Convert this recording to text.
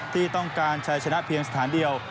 ที่ต้องการใช้ชนะเพียงสถานเดียว